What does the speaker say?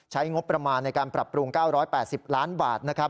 ใช้งบประมาณในการปรับปรุง๙๘๐ล้านบาทนะครับ